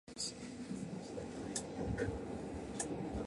少しづつ時間を重ねるうちに、なんとなく忘れられそうな気がする。